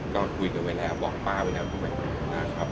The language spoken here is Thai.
ก็คุยกันไปแล้ว